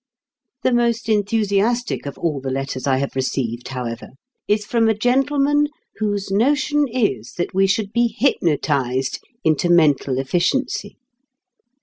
The most enthusiastic of all the letters I have received, however, is from a gentleman whose notion is that we should be hypnotised into mental efficiency.